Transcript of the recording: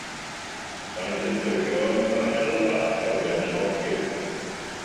Maent yn ffurfio "ymbarél" bach ar ben y boncyff.